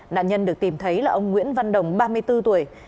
nạn nhân được tìm thấy là ông nguyễn văn đồng ba mươi bốn tuổi